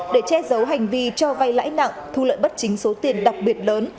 để che giấu hành vi cho vay lãi nặng thu lợi bất chính số tiền đặc biệt lớn